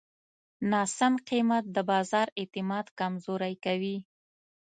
ناسم قیمت د بازار اعتماد کمزوری کوي.